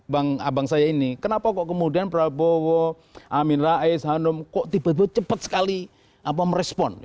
bang abang saya ini kenapa kok kemudian prabowo amin rais hanum kok tiba tiba cepat sekali merespon